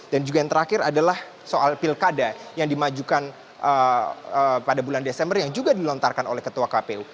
dan juga yang terakhir adalah soal pilkada yang dimajukan pada bulan desember yang juga dilontarkan oleh ketua kpu